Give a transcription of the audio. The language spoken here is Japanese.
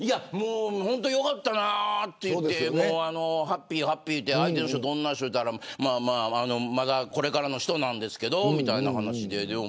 本当によかったな、と言ってハッピー、ハッピーで相手の人どんな人かと聞いたらまだ、これからの人なんですけどみたいな話で。